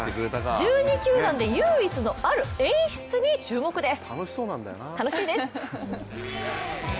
１２球団で唯一のある演出に注目です。